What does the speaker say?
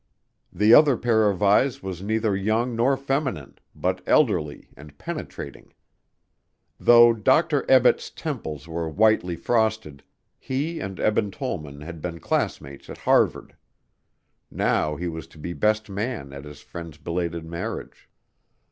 The other pair of eyes was neither young nor feminine, but elderly and penetrating. Though Doctor Ebbett's temples were whitely frosted, he and Eben Tollman had been classmates at Harvard. Now he was to be best man at his friend's belated marriage.